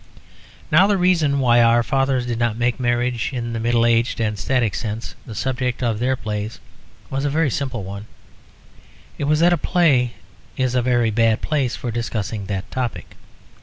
Now the reason why our fathers did not make marriage, in the middle aged and static sense, the subject of their plays was a very simple one; it was that a play is a very bad place for discussing that topic.